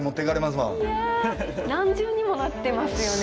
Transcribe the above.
何重にもなってますよね。